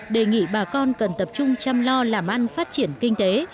đề nghị bà con cần tập trung chăm lo làm ăn phát triển kinh tế